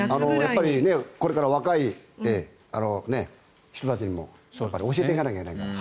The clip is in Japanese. これから若い人たちにも教えていかなきゃいけないから。